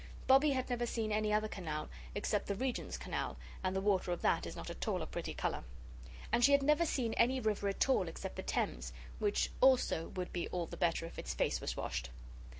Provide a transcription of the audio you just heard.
Bobbie had never seen any other canal, except the Regent's Canal, and the water of that is not at all a pretty colour. And she had never seen any river at all except the Thames, which also would be all the better if its face was washed.